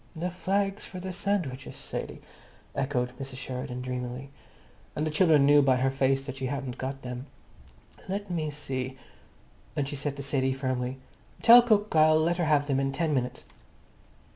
"The flags for the sandwiches, Sadie?" echoed Mrs. Sheridan dreamily. And the children knew by her face that she hadn't got them. "Let me see." And she said to Sadie firmly, "Tell cook I'll let her have them in ten minutes."